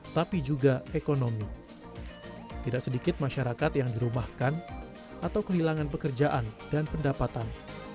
tapi juga ekonomi tidak sedikit masyarakat yang dirumahkan atau kehilangan pekerjaan dan pendapatan